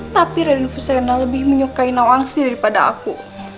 tapi raden fusena lebih menyukai nawang sih daripada aku